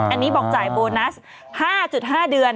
อันนี้บอกจ่ายโบนัส๕๕เดือน